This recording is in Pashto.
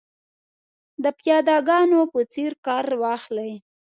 د پیاده ګانو په څېر کار واخلي.